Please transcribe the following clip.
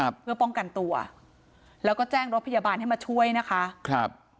เพื่อป้องกันตัวแล้วก็แจ้งรถพยาบาลให้มาช่วยนะคะครับ